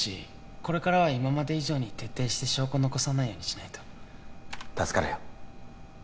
これからは今まで以上に徹底して証拠残さないようにしないと助かるよ